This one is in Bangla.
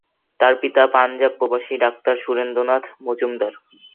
তার পিতা পাঞ্জাব-প্রবাসী ডাক্তার সুরেন্দ্রনাথ মজুমদার।